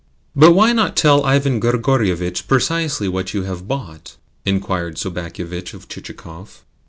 "But why not tell Ivan Grigorievitch precisely what you have bought?" inquired Sobakevitch of Chichikov.